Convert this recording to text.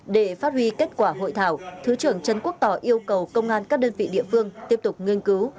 để phát huy kết quả hội thảo thứ trưởng trần quốc tỏ yêu cầu công an các đơn vị địa phương tiếp tục nghiên cứu